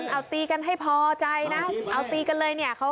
เอาตีกันให้พอใจน่ะเอาตีกันเลยเธอให้มาดู